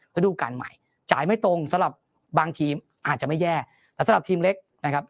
ฤดูการใหม่จ่ายไม่ตรงสำหรับบางทีมอาจจะไม่แย่แต่สำหรับทีมเล็กนะครับ